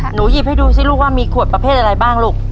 หยิบให้ดูสิลูกว่ามีขวดประเภทอะไรบ้างลูก